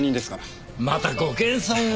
またご謙遜を。